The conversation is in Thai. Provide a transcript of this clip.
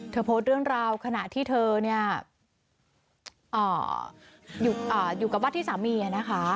เธอโพสเรื่องราวขณะที่เธออยู่กับบ้านที่สามีอ่ะนะคะ